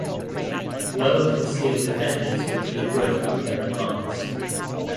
Well concealed defenders quickly broke up their advance.